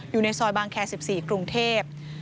อยู่ในซอยบางแคร์๑๔กรุงเทพ